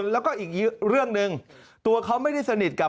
แล้วก็อีกเรื่องหนึ่งตัวเขาไม่ได้สนิทกับ